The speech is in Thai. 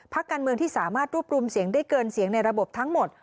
การเมืองที่สามารถรวบรวมเสียงได้เกินเสียงในระบบทั้งหมด